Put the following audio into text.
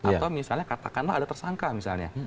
atau misalnya katakanlah ada tersangka misalnya